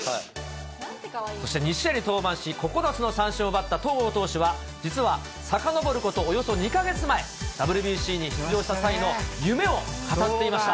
そして２試合に登板し、９つの三振を奪った戸郷投手は、実はさかのぼることおよそ２か月前、ＷＢＣに出場した際の夢を語っていました。